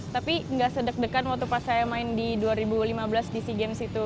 tapi nggak sedeg degan waktu pas saya main di dua ribu lima belas di sea games itu